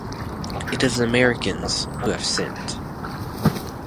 It is the Americans who have sinned.